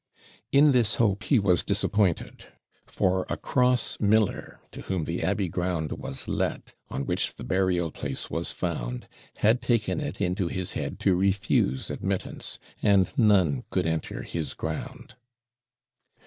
In this hope he was disappointed; for a cross miller to whom the abbey ground was set, on which the burial place was found, had taken it into his head to refuse admittance, and none could enter his ground.